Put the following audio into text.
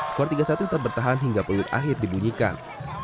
skor tiga satu terpertahan hingga peluang akhir dibunyikan